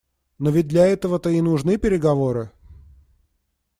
Но ведь для этого-то и нужны переговоры.